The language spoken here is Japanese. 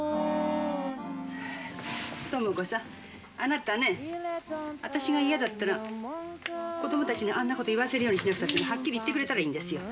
知子さんあなたね私が嫌だったら子どもたちにあんなこと言わせるようにしなくたってはっきり言ってくれたらいいんですよ。